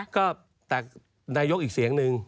ก็แต่นายกอีกเสียงหนึ่ง